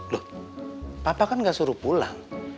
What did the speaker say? loh papa kan gak suruh pulang